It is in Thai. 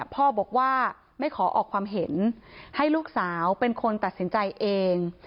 พ่อบอกว่าไม่ขอออกความเห็นให้ลูกสาวเป็นคนตัดสินใจเอง